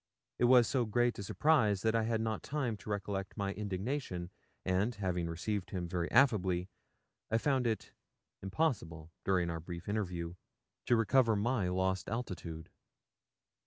It was so great a surprise that I had not time to recollect my indignation, and, having received him very affably, I found it impossible, during our brief interview, to recover my lost altitude.